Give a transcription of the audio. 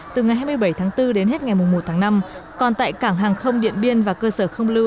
từ ngày hai mươi bảy tháng bốn đến hết ngày một tháng năm còn tại cảng hàng không điện biên và cơ sở không lưu